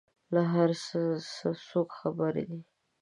له هر څه څوک خبر دي؟